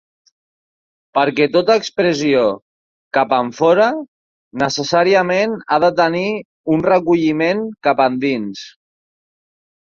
Perquè tota expressió cap enfora, necessàriament ha de tenir un recolliment cap endins.